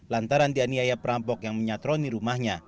lantaran di aniaya perampok yang menyatroni rumahnya